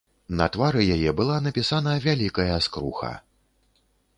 На твары яе была напісана вялікая скруха.